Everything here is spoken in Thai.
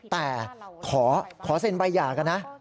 แต่ขอเซ็นใบหย่ากันนะ